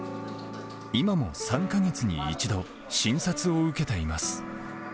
今も３か月に１度、診察を受けています。